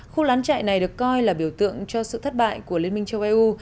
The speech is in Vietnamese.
khu lán chạy này được coi là biểu tượng cho sự thất bại của liên minh châu eu